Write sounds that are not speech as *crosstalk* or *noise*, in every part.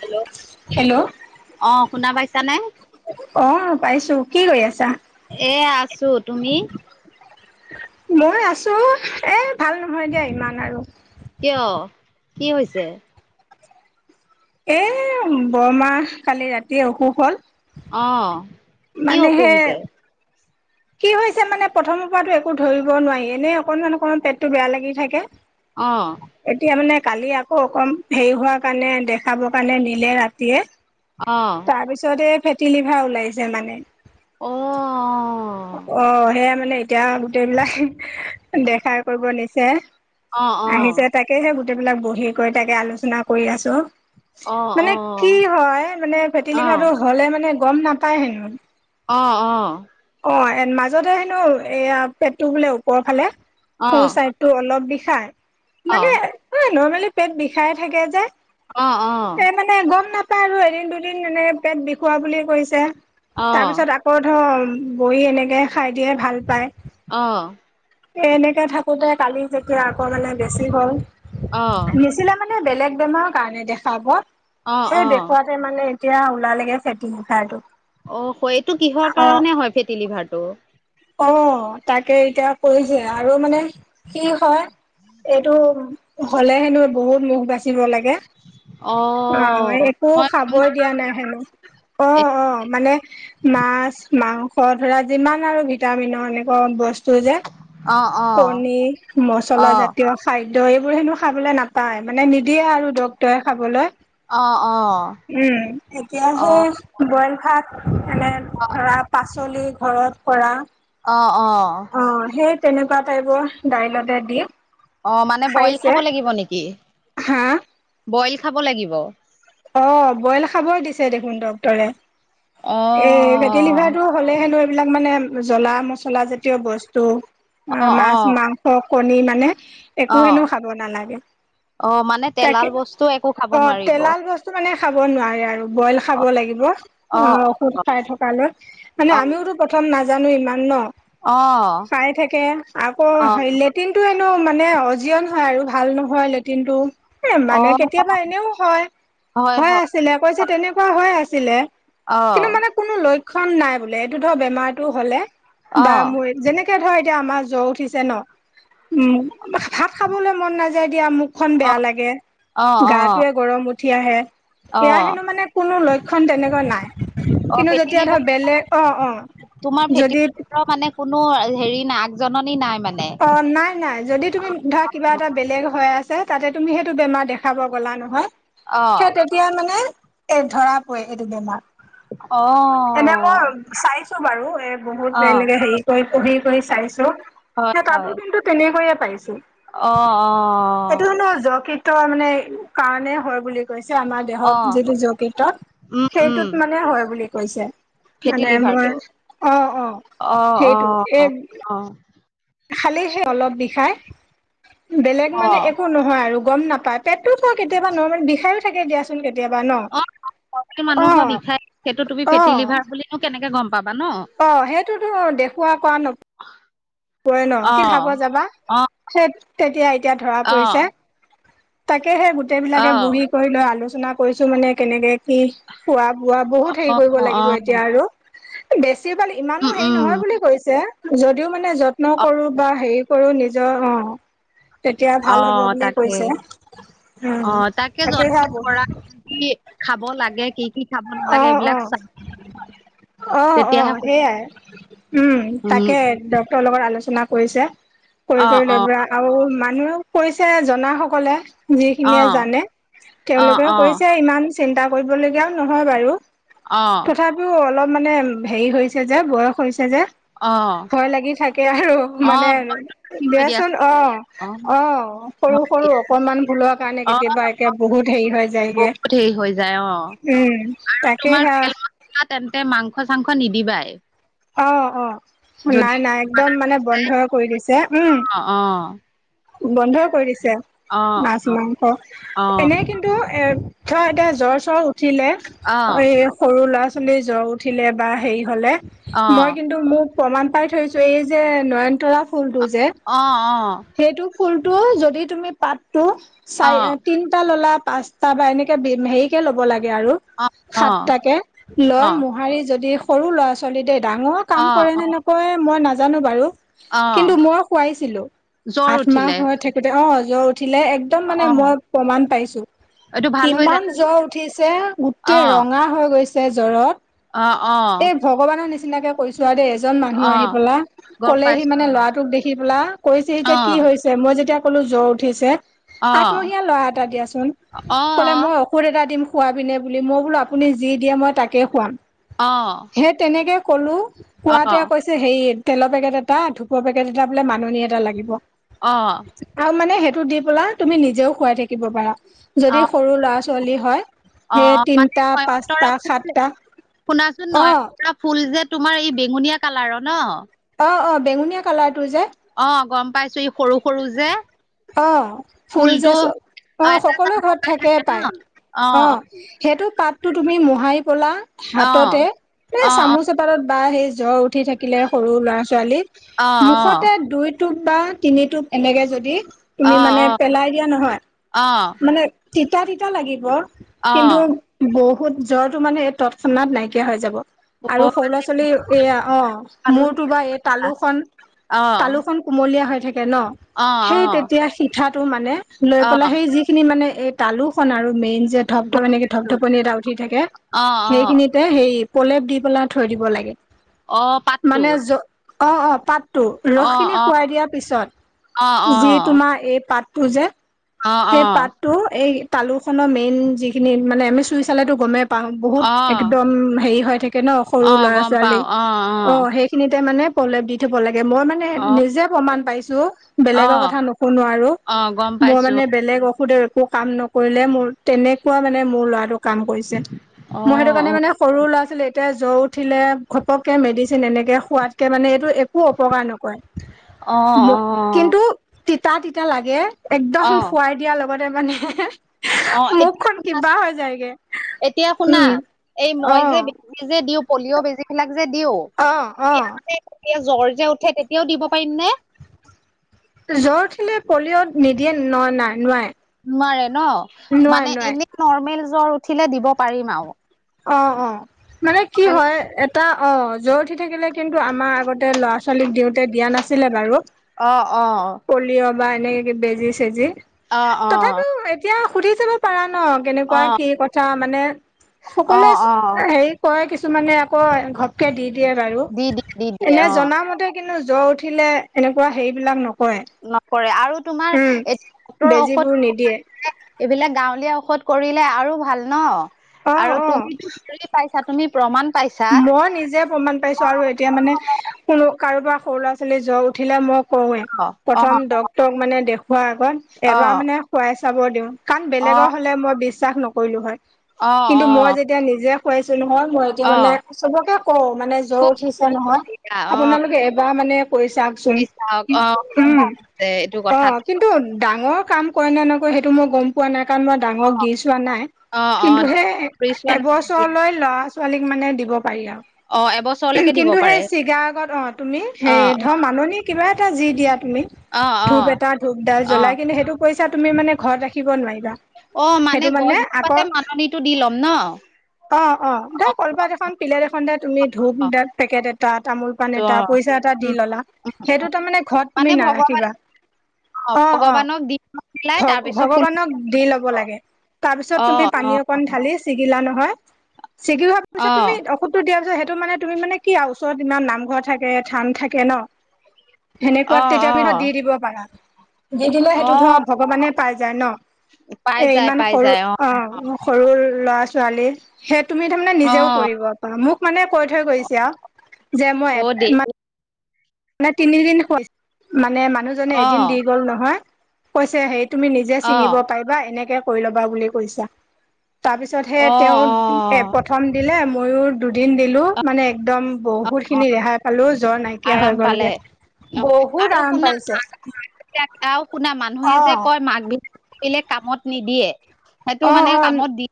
Hello hello অ' শুনা পাইছা নে? অ' পাইছোঁ, কি কৰি আছা? এয়া, আছোঁ তুমি? মই আছোঁ এ, ভাল নহয় দিয়া ইমান আৰু। কিয়, কি হৈছে? এ, বৰমাহ কালি ৰাতিয়ে অসুখ হ'ল। অ', কি অসুখ মানেহে হৈছে কি হৈছে মানে, প্ৰথমৰ পৰাতো একো ধৰিব নোৱাৰি এনে অকণমান, অকমাণ পেটটো বেয়া লাগি থাকে। অ', এতিয়া মানে, কালি আকৌ অকণ হেৰি হোৱা কাৰণে দেখাব কাৰণে নিলে ৰাতিয়ে। অ', তাৰপিছতে এ, ফেটি লিভাৰ ওলাইছে মানে। অ অ' সেয়া মানে এতিয়া গোটেইবিলা হে দেখাই কৰিব নিছে অ আহিছে তাক তাকেহে, গোটেইবিলাক বহি কৰি তাকে আলোচনা কৰি আছোঁ। অ অ অ মানে কি হয়, মানে অ অ ফেটলিভাটো হ'লে মানে গম নাপায় হেনো। অ' অ'। অ' এণ মাজতে হেনো এয়া পেটটো বোলে ওপৰৰ ফালে অ অ সু চাইড টো অলপ বিষাই অ মানে এ, নৰ্মেলি পেট বিষাই থাকে যে। অ' অ'। এ, মানে গম নাপায় আৰু এদিন, দুদিন এনেকে পেট বিষুৱা বুলি কৈছে তাৰপিছত আক ক'ত হ'ল বহী এনেকে খাই দিয়ে ভাল পায়। অ', এ, এনেকে থাকোঁতে কালি যেতিয়া আকৌ মানে বেছি হ'ল নিচিলে মানে, বেলেগ বেমাৰৰ কাৰণে দেখা অ অ অ সেই দেখুৱাত তে মানে এতিয়া ওলালেগে ফেটি লিভাৰ টো। অ' হয় এইটো কিহৰ কাৰণে হয় ফেটি লিভাৰটো? অ' তাকে এতিয়া কৈছে আৰু মানে কি হয় এইটো হ'লে হেনো বহুত মুখ বাচিব লাগে অ অ' একো মই গম খাবই দিয়া নাই হেনো নাপাওঁ। অ' অ' মানে মাছ, মাং স ঘৰত ধৰা যিমান আৰু ভিটামিনৰ এনেকুৱা বস্তু যে অ অ কণী, অ মচলা জাতীয় খাদ্য এইবোৰ হেনো খাবলৈ নাপায় মানে নিদিয়ে আৰু ডক্টৰে খাবলৈ। অ অ উম, এতিয়া *unintelligible* বইল ভাত এনে ধৰা পাচলি ঘৰত কৰা। অ' অ' অ' সে তেনেকুৱা টাইপৰ দাইলতে দি অ' মানে বইল খাব লাগিব নেকি, হা বইল খাব লাগিব? অ' বইল খাব দিছে দেখোন ডক্তৰে। অ এই ফেটি লিভাৰটো হ'লে হেনো এইবিলাক মানে জলা মছলা জাতীয় বস্তু অ মাছ, মাংস কণী মানে অ একো হেনো খাব নালাগে অ মানে তেলাল তাকে বস্তু একো খাব অ নোৱাৰিব। তেলাল বস্তু। মানে খাব নোৱাৰে আৰু বইল অ খাব লাগিব। অ ঔষধ খাই থকা লে। মানে অ আমিও প্ৰথম নাজানো ইমান ন অ চাই থাকে। আকৌ অ হেৰিলে লেটিন টো এনেও মানে অজিয়ন হয় আৰু ভাল নহয় লেট্ৰিন টো। এ অ মানে কেতিয়াবা এনেও হয়। হয় হৈ হয় আছিলে কৈছে তেনেকুৱা হৈ আছিলে। অ কিন্তু মানে কোনো লক্ষণ নাই বোলে এইটো ধৰ বেমাৰটো হ'লে অ বা মোৰ যেনে কে ধৰ এতিয়া আমাৰ জ্বৰ উঠিছে ন। উম। ভাত খাবলৈ মন নাযায় দিয়া মুখখন অ বেয়া লাগে, অ গা-টোৱে গৰম উঠি আহে। অ অ এয়া হেনো মানে কোনো লক্ষণ তেনেকুৱা নাই। অ কিন্তু ফেটি যেতিয়া ধৰ লিভাৰ বেলেগ অ' অ' তোমাৰ ফেটি যদি *unintelligible* কোনো হেৰি ন আগজননী নাই মানে। অ' নাই নাই যদি তুমি ধৰা কিবা এটা বেলেগ হৈ আছে। তাতে তুমি সেইটো বেমাৰ দেখাব গ'লা নহয়। অ সেই তেতিয়া মানে এ ধৰা পৰে সেইটো বেমাৰ। অ এনে মই চাইছো বাৰু এ বহুত অ এনেকে হেৰি। *unintelligible* পঢ়ি পঢ়ি কৰি চাইছোঁ। হয় এই তাতো হয় কিন্তু তেনেকৈয়ে পাইছোঁ। অ অ এইটো কিন্তু যকৃত ত মানে কাৰণেই হয় বুলি কৈছে। আমাৰ অ দেহত যিটো যকৃতত উম উম সেইটোত মানে হয় বুলি কৈছে। ফেটি মানে মই লিভাৰটো। অ' অ' অ', সেইটো অ', এই অ', খালেহে অলপ বিষাই। বেলেগ অ'। মানে একো নহয় আৰু গম নাপায়। পেটটো ক কেতিয়াবা নৰ্মেল বিষায়ো থাকে দিয়াচোন কেতিয়াবা ন? অ' *unintelligible* মানুহৰ অ', বিষাই সেইটো তুমি ফেটি অ', লিভাৰ বুলিনো কেনেকে গম পাবা ন'? অ' সেইটোতো দেখুওৱা কৰা ন পৰে ন। কি খাব অ'। যাবা? অ', সেই তেতিয়া এতিয়া ধৰা পৰিছে। অ', তাকেহে গোটেই বিলাকে অ'। বহি কৰি লৈ আলোচনা কৰিছোঁ। মানে কেনেকে *unintelligible* খোৱা-বোৱা বহুত হেৰি কৰিব অ', লাগিব অ'। এতিয়া আৰু। এ বেছি ভাল ইমানো উম, হেৰি উম, নহয় বুলি কৈছে যদিও মানে যত্ন অ', কৰো বা হেৰি কৰো নিজৰ অ অ' তেতিয়া ভাল হ'ব অ', বুলিয়ে তাকে। কৈছে। উম অ', তাকে তাকেই যত্ন ভাবোঁ। কৰা কি কি খাব লাগে কি কি খাব নালাগে এইবিলাক চাই *inaudible* তেতিয়াহে সুস্থ অ'অ'সেইয়াই, উম তাকে একদম। ইহঁতৰ লগত আলোচনা কৰিছে, কৰি অ', কৰি লৈ অ', পৰা আৰু মানুহেও কৈছে জনাসকলে। যিখিনিয়ে অ', জানে অ', তেওঁলোকেও অ', কৈছে, ইমান চিন্তা কৰিবলগীয়াও নহয় বাৰু। অ', তথাপিও অলপ মানে হেৰি হৈছে যে বয়স হৈছে যে। অ। সেয়াহে আৰু মানে অ', আৰু ভয় দিয়াচোন। অ' অ' সৰু ভয় সৰু দিয়া, অকনমান ভূলৰ- কাৰণে অ', কেতিয়াবা একে বহুত হেৰি হৈ যায়গে। বহুত হেৰি হৈ যায় অ'। উম তাকে তোমাৰ হে *inaudible* তেন্তে মাংস-চাংস নিদিবাই। অ' অ' নাই নাই একদম মানে বন্ধ কৰি দিছে, উম'। অ অ। বন্ধ কৰি দিছে অ মাছ মাংস অ এনে কি টো এ ধৰা এতিয়া জ্বৰ-চৰ উঠিলে অ এই সৰু ল'ৰা-ছোৱালী জ্বৰ উঠিলে বা হেৰি হ'লে, অ অ মই কিন্তু মোক প্ৰমাণ পাই থৈছো, এই যে নয়নতৰা ফুলটো যে অ অ সেইটো ফুলটো যদি তুমি পাতটো অ চাই তিনিটা ললা পাঁচ তাৰপা এনেকে বি হেৰিকে ল'ব লাগে আৰু অ অ সাতটাকে লৈ মোহাৰি যদি সৰু ল'ৰা ছোৱালী দেই ডাঙৰৰ অ অ কাম কৰে অ নে নকৰে মই নাজানো বাৰু। অ কিন্তু মই খোৱাইছিলো, জ্বৰ আঠমাহ উঠিলে হৈ থাকোতে অ জ্বৰ উঠিলে এক একদম মানে অ মই প্ৰমাণ পাইছো। এইটো ভাল হৈ যায় কিমান ন জ্বৰ উঠিছে গোটে অ ৰঙা হৈ গৈছে জ্বৰত। অ এ অ ভগৱানৰ নিচিনাকে কৈছো আৰু দে এজন মানুহ অ আহি পেলা, গম ক'লেহি পাইছো মানে ল'ৰাটোক দেখি পেলা কৈছেহি অ যে কি হৈছে মই যেতিয়া কলো জ্বৰ উঠিছে অ আঠমহীয়া ল'ৰা এটা দিয়া চোন অ অ কলে মই অ ঔষধ এটা দিম খোৱাবিনে বুলি, মই বোলো আপুনি যি দিয়ে মই তাকে খোৱাম। অ সেই তেনেকে কলো অ কোৱাতে কৈ ছে সেই তেলৰ পেকেট এটা, ধুপৰ পেকেট এটা বোলে মাননি এটা লাগিব। অ আৰু মানে সেইটো দি পেলা তুমি নিজেও খোৱাই থাকিব পাৰা। অ যদি সৰু ল'ৰা ছোৱালী হয় অ সেয়ে মানে তিনিটা, নয়নতৰা পাঁচটা, ফুল সাতটা শুনাচোন অ নয়নতৰা ফুল যে তোমাৰ এই বেঙুনীয়া কালাৰৰ ন। অ অ বেঙুনীয়া কালাৰটো যে অ গম পাইছো ই সৰু সৰু যে। অ ফুল যে ফুলটো চ অ এটা এটা সকলোৱে ঘৰত বগা থাকে ন পায় অ সেইটো পাতটো তুমি মোহাৰি পেলা অ হাততে, এ অ অ চামুচ পাতত বা সেই জ্বৰ উঠি থাকিলে সৰু ল'ৰা-ছোৱালী অ অ মুখতে দুই টোপ বা তিনিটোপ এনেকে যদি অ তুমি মানে পেলাই দিয়া নহয় অ অ মানে তিতা তিতা লাগিব কিন্তু বহুত জ্বৰটো মানে এই তৎক্ষণাত নাইকিয়া হৈ যাব। আৰু অ সৰু ল'ৰা-ছোৱালী এয়া অ হালোৱা মূৰটো বা এই তালুখন অ তালুখন কুমলীয়া হৈ থাকে ন, অ সেই তেতিয়া শিঠাটো মানে লৈ অ অ পেলাই সেই যিখিনি মানে এই তালোখন আৰু মেইন যে ধপ ধপনি গম এনেকে ধপ পাইছো ধপনি এটা উঠি থাকে অ অ সেইখিনিত তে হেৰি পলেপ দি পেলাই থৈ দিব লাগে। অহ মানে জ অ অ পাত টো অ ৰস খিনি অ খোৱাই দিয়াৰ অ অ পিছত যি তোমাৰ এই পাতটো যে অ অ সেই পাতটো এই তালুখনৰ মেইন যিখিনি মানে আমি এ চুই চালেটো গমে পাওঁ বহুত অ একদম হেৰি হৈ থাকে ন সৰু অ গম ল'ৰা-ছোৱালী পাও অ অ সেই খিনিতে মানে প্ৰলেপ দি থব লাগে, মই মানে অ নিজে প্ৰমাণ পাইছো। অ বেলেগৰ কথা নুশুনো আৰু অ গম মোৰ পাইছো মানে বেলেগ ঔষধে একো কাম নকৰিলে মোৰ তেনেকোৱা মানে মোৰ ল'ৰাটো কাম কৰিছে অ মই সেইটো কাৰণে অ মানে সৰু ল'ৰা ছোৱালী এতিয়া জ্বৰ উঠিলে ঘপককৈ মেডিচিন এনেকৈ খোৱাতকৈ মানে এইটো এ একো অপকাৰ নকৰে অ কিন্তু তিতা তিতা লাগে অ একদম অ আই দিয়া লগতে মানে অ এতিয়া মুখখন শুনা কিবা হৈ যায়গে এতিয়া শুনা উম এই অ মই যে নিজে যে দিওঁ পলিঅ' বেজী বিলাক যে দিও অ অ এতিয়া জ্বৰ যে উঠে তেতিয়াও দিব পাৰিম নে জ্বৰ উঠিলে পলিঅ'ত নিদিয়ে ন নাই নোৱাই নোৱাৰে ন মানে এনেই নৰ্মেল জ্বৰ উঠিলে দিব পাৰিম আও অ অ মানে কি হয় এটা অ জ্বৰ উঠি থাকিলে কিন্তু আমাৰ আগতে ল'ৰা ছোৱালীক দিওঁতে দিয়া নাছিলে বাৰু অ অ অ পলিঅ' বা এনেকে বেজি চেজি অ তথাপিও এতিয়া সুধি চাব পাৰা ন অ অ কেনেকুৱা কি কথা মানে অ সকলোৱে অ হেৰি কয় কিছুমানে আকৌ ঘ ঘপককে দি দিয়ে বাৰু দি দিয়ে দি দিয়ে এনে অ জনামতে কিন্তু জ্বৰ উঠিলে এনেকুৱা হেৰিবিলাক নকৰে নকৰে আৰু তোমাৰ উম *unintelligible* ঔষধ বেজীবোৰ নিদিয়ে এইবিলাক গাঁৱলীয়া ঔষধ কৰিলে আৰু ভাল ন অ আৰু অ তুমি *unintelligible* পাইছা তুমি প্ৰমাণ পাইছা মই নিজে প্ৰমাণ অ পাইছো আৰু তেতিয়া মানে কোনো কাৰোবাৰ সৰু ল'ৰা ছোৱালী জ্বৰ উঠিলে মোক কৰোৱে অ অ প্ৰথম ডক্তৰক মানে দেখুৱাৰ আগত এবাৰ অ মানে খোৱাই চাব দিওঁ কাৰণ বেলেগৰ অ হলে মই বিশ্বাস নকৰিলো হয় অ কিন্তু অ মই যেতিয়া নিজে খুৱাইছো নহয় মই এতিয়া অ, মানে চবকে কওঁ মানে জ্বৰ খুব ভাল উঠিছে হৈছে নহয় তেতিয়া। অ, আপোনালোকে এবাৰ মানে কৈ চাওকচোন, কৰি চাওক। অ, খুব উম ভাল হৈছে এইটো অ কথাটো। কিন্ তো ডাঙৰ কাম কৰে নে নকয় সেইটো মই গম পোৱা নাই কাৰণ মই অ, ডাঙৰক দি চোৱা নাই। অ, কিন্তু অ, সেই কৰি চোৱা নাই তেতিয়া। এবছৰলৈ লৰা ছোৱালীক মানে দিব পাৰি অ, আও এবছৰলৈকে দিব কিন্তু পাৰে। সেই চিগা আগত অ তুমি অ, সেই ধ মাননিক কিবা এটা যি দিয়া তুমি অ, অ, ধূপ এটা ধূপ দাল অ। জ্বলাই কিনে সেইটো পইচা তুমি মানে ঘৰত ৰাখিব নোৱাৰিবা অ মানে সেইটো গছ জোপাতে আকৌ মাননিটো দি ল'ম ন অ অ দে কলপাত এখন পিলেক এখন দে তুমি ধূপ অ, পেকেট এটা, তামোল পাণ ত' এটা, অ, পইচা এটা দি উম। ললা সেইটো তাৰ মানে ঘৰত তুমি মানে ভগৱান নাৰাখিবা অ ভগৱানক দি থৈ পেলাই ভ তাৰপিছত ফুল ভগৱানক দি ল'ব লাগে তাৰ পিছত অ, তুমি পানী অ, অকন ঢালি ছিগিলা নহয় ছিগি ভ অ, পিছত তুমি অসুধ টো দিয়া পিছত সেইটো মানে তুমি মানে কি আও ওচৰত ইমান নামঘৰ থাকে, থান থাকে ন অ, সেনেকুৱাত তেতিয়া আমি দি অ, দিব পাৰা দি দিলে অ, সেইটো ধৰ ভগৱানে পাই যায় ন পাই এ যায়, ইমান পাই সৰু যায়। অ সৰু ল'ৰা ছোৱালী সেই তুমি তাৰমানে অ, নিজেও কৰিব পাৰা মোক মোক মানে কৈ থৈ গৈছে আহ যে অ, মই দেহি মানে তিনিদিন মানে মানুহজনে অ, এদিন দি গ'ল নহয়, কৈছে হেইত তুমি নিজে অ, ছিঙিব অ, পাৰিবা এনেকে কৰি ল'বা বুলি কৈছা তাৰ পিছতহে অ, তেওঁ এ প্ৰথম দিলে মইও দুদিন দিলো অ, অ, মানে একদম বহুত অ। খিনি ৰেহাই পালো জ্বৰ নাইকিয়া নাইকিয়া হৈ আৰাম পালে গ'লগে। অ', বহুত আৰু আৰাম শুনা, পাইছে *unintelligible* আৰু শুনা মানুহে অ যে কয় মাক বিলাক কামত নিদিয়ে, সেইটো অ মানে অ কামত দি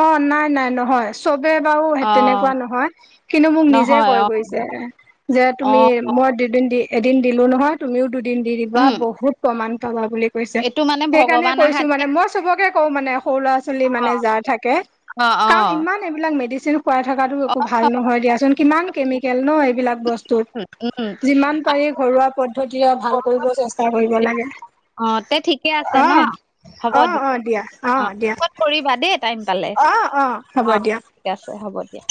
অ', নাই-নাই নহয়, চবে বাৰু অ তেনেকুৱা নহয়। কিন্তু মোক নিজে নহয় কয় অ গৈছে, যে অ তুমি মই দুদিন দি এদিন দিলোঁ নহয়, তুমিও দুদিন দি দিবা, উম বহুত প্ৰমাণ পাবা বুলি কৈচে। এইটো মানে সেইকাৰণে ভগৱান কৈছোঁ আহাতে মানে, মই চবকে কওঁ মানে সৰু ল'ৰা-ছোৱালী মানে যাৰ থাকে, অ অ অ কাৰণ এইবিলাক ইমান মেদেচিন খোৱাই থকাতো অ একো ভাল নহয়, দিয়াচোন কিমান কেমিকেল ন' এইবিলাক বস্তু। উম যিমান পাৰি ঘৰুৱা পদ্ধতিৰে ভাল কৰিব চেষ্টা কৰিব লাগে। অ তে ঠিকে আছে ন অ', অ', অ', দিয়া, অ', দিয়া। কৰিবা দেই টাইম পালে, অ', ঠিক আছে, হ'ব দিয়া।